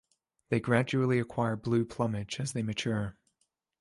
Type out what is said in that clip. They gradually acquire blue plumage as they mature.